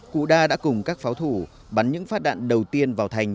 cụ đa đã cùng các pháo thủ bắn những phát đạn đầu tiên vào thành